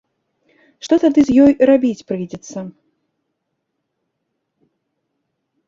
Што тады з ёю рабіць прыйдзецца?